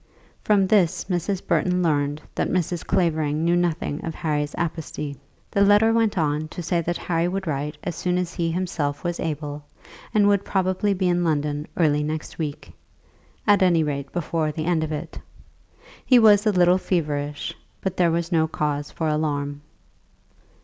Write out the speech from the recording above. From this Mrs. Burton learned that Mrs. Clavering knew nothing of Harry's apostasy. The letter went on to say that Harry would write as soon as he himself was able, and would probably be in London early next week, at any rate before the end of it. He was a little feverish, but there was no cause for alarm.